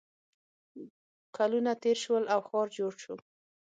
کلونه تېر شول او ښار جوړ شو